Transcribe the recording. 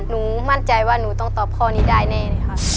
หนูมั่นใจว่าหนูต้องตอบข้อนี้ได้แน่เลยค่ะ